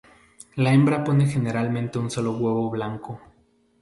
La hembra pone generalmente un solo huevo blanco.